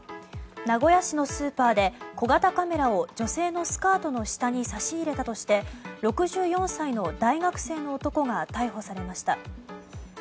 名古屋市のスーパーで小型カメラを女性のスカートの下に差し入れたとして６４歳の大学生の男が逮捕されました。